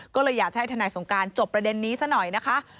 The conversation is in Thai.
ก็เลยอยากจะให้ทนายสงการจบประเด็นนี้ซะหน่อยนะคะ